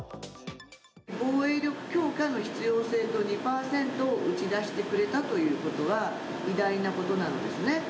防衛力強化の必要性と２％を打ち出してくれたということは、偉大なことなんですね。